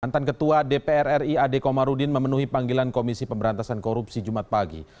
mantan ketua dpr ri ade komarudin memenuhi panggilan komisi pemberantasan korupsi jumat pagi